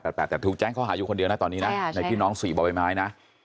แต่ถูกแจ้งข้อหาอยู่คนเดียวนะตอนนี้นะในพี่น้อง๔บ่อใบไม้นะ